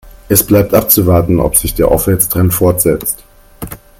Es bleibt abzuwarten, ob sich der Aufwärtstrend fortsetzt.